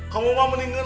kamu mau meninggal